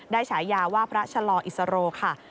ฉายาว่าพระชะลออิสโรค่ะ